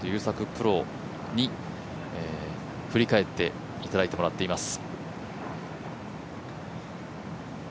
プロに振り返っていただいてもらっています。